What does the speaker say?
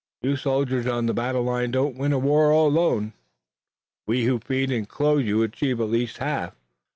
You soldiers on the battle line don't win a war alone. We who feed and clothe you achieve at least half.